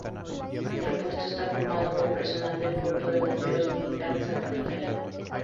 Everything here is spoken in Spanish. El puesto está formado por personal del Cuerpo de Bomberos Militar de Santa Catarina.